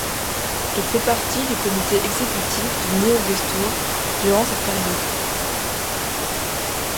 Il fait partie du comité exécutif du Néo-Destour durant cette période.